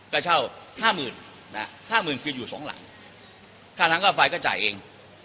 ก็เช่าห้าหมื่นห้าหมื่นคืออยู่สองหลังค่าน้ำค่าไฟก็จ่ายเอง